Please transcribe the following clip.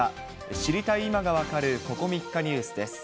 知りたい今がわかるここ３日ニュースです。